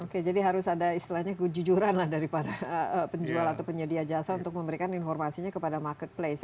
oke jadi harus ada istilahnya kejujuran lah daripada penjual atau penyedia jasa untuk memberikan informasinya kepada marketplace